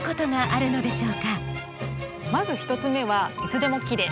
まず１つ目は「いつでもきれい」。